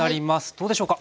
どうでしょうか？